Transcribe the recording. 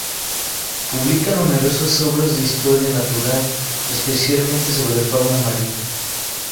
Publica numerosas obras de historia natural, especialmente sobre fauna marina.